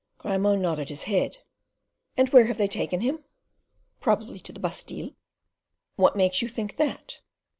Grimaud nodded his head. "And where have they taken him?" "Probably to the Bastile." "What makes you think that?"